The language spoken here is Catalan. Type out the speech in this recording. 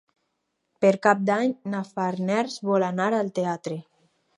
Per Cap d'Any na Farners vol anar al teatre.